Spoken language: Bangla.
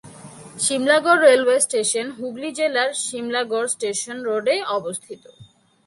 সিমলাগড় রেলওয়ে স্টেশন হুগলী জেলার সিমলাগড় স্টেশন রোডে অবস্থিত।